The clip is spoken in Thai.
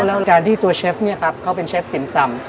แล้วการที่ตัวเชฟเนี่ยครับเขาเป็นเชฟติ่มซำ